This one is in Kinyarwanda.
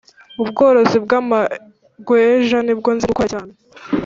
ubworozi bw amagweja nibwo nzi gukora cyane